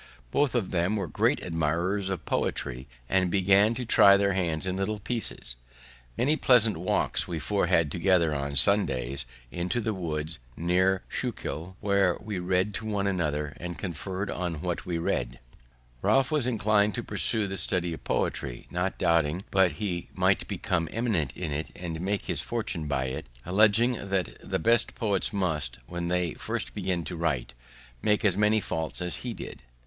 Both of them were great admirers of poetry, and began to try their hands in little pieces. Many pleasant walks we four had together on Sundays into the woods, near Schuylkill, where we read to one another, and conferr'd on what we read. [Illustration: "Many pleasant walks we four had together"] Ralph was inclin'd to pursue the study of poetry, not doubting but he might become eminent in it, and make his fortune by it, alleging that the best poets must, when they first began to write, make as many faults as he did.